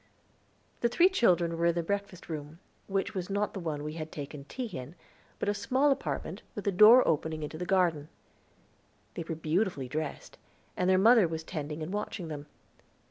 The three children were in the breakfast room, which was not the one we had taken tea in, but a small apartment, with a door opening into the garden. They were beautifully dressed, and their mother was tending and watching them.